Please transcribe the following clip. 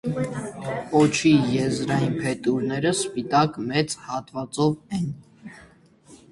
Պոչի եզրային փետուրները սպիտակ մեծ հատվածով են։